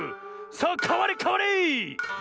さあかわれかわれ！